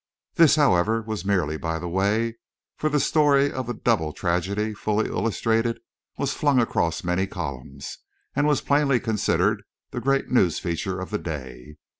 This, however, was merely by the way, for the story of the double tragedy, fully illustrated, was flung across many columns, and was plainly considered the great news feature of the day.